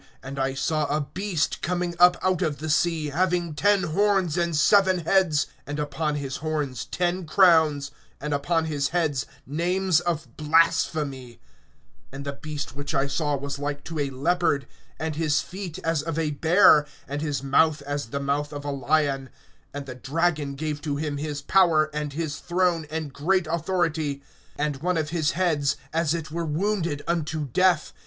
And I saw a beast coming up out of the sea, having ten horns and seven heads, and upon his horns ten crowns, and upon his heads names of blasphemy[1:16b]; (2)(and the beast which I saw was like to a leopard, and his feet as of a bear, and his mouth as the mouth of a lion, and the dragon gave to him his power, and his throne, and great authority;) (3)and one of his heads as it were wounded unto death.